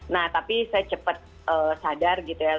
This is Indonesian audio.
nah tapi saya cepat sadar gitu ya